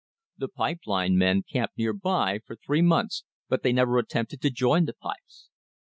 The pipe line men camped near by for three months, but they never attempted to join the pipes.